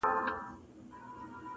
كومه چېغه به كي سره ساړه رګونه٫